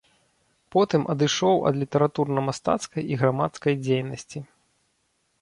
Потым адышоў ад літаратурна-мастацкай і грамадскай дзейнасці.